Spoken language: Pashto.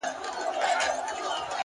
صادق نیت زړونه سره نښلوي,